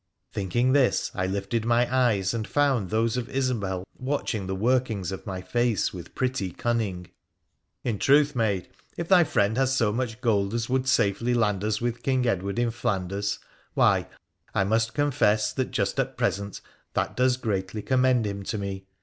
Thinking this, I lifted my eyes, and found those of Isobel watching the workings of my face with pretty cunning. ' In truth, maid, if thy friend has so much gold as would safely land us with King Edward in Flanders, why, I must confess that just at present that does greatly commend him to me.